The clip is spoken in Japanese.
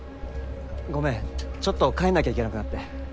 ごめんちょっと帰んなきゃいけなくなって。